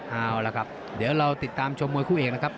เอาละครับเดี๋ยวเราติดตามชมมวยคู่เอกนะครับ